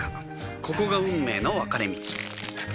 ここが運命の分かれ道